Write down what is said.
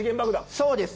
そうです。